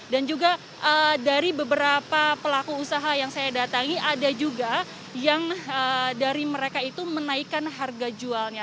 dan juga dari beberapa pelaku usaha yang saya datangi ada juga yang dari mereka itu menaikkan harga jualnya